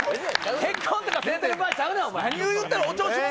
結婚とかいうてる場合ちゃうねぅん！